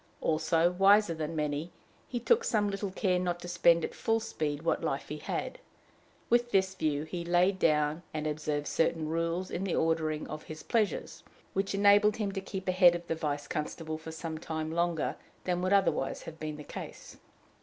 Also, wiser than many, he took some little care not to spend at full speed what life he had. With this view he laid down and observed certain rules in the ordering of his pleasures, which enabled him to keep ahead of the vice constable for some time longer than would otherwise have been the case.